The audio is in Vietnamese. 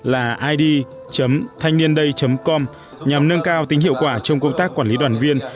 là id thanhnienday com nhằm nâng cao tính hiệu quả trong công tác quản lý đoàn viên